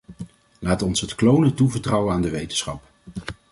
Laat ons het klonen toevertrouwen aan de wetenschap.